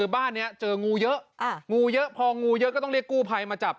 บ้านนี้เจองูเยอะงูเยอะพองูเยอะก็ต้องเรียกกู้ภัยมาจับ